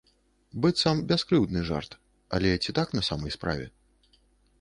Быццам, бяскрыўдны жарт, але ці так на самай справе?